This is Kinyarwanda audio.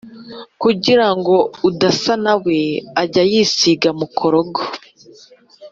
Kugira ngo udasa na we ajye yisiga mukorogo